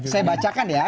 saya bacakan ya